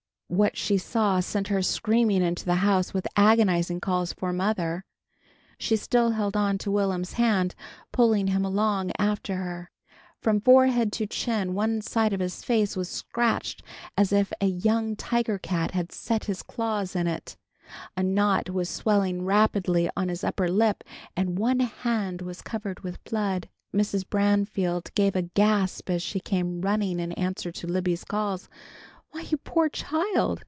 What she saw sent her screaming into the house, with agonized calls for "mother." She still held on to Will'm's hand, pulling him along after her. From forehead to chin, one side of his face was scratched as if a young tiger cat had set his claws in it. A knot was swelling rapidly on his upper lip, and one hand was covered with blood. Mrs. Branfield gave a gasp as she came running in answer to Libby's calls. "Why, you poor child!"